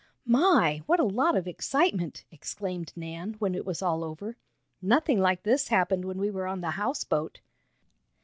"My! What a lot of excitement!" exclaimed Nan, when it was all over. "Nothing like this happened when we were on the houseboat."